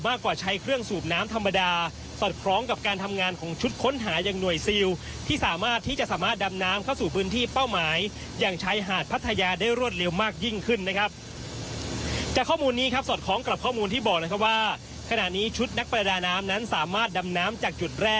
มากกว่าใช้เครื่องสูบน้ำธรรมดาสดของกับการทำงานของชุดค้นหา